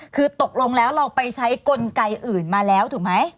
คือตกลงแล้วเราไปใช้กลไกอื่นมาแล้วถูกไหม